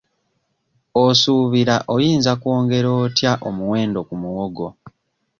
Osuubira oyinza kwongera otya omuwendo ku muwogo?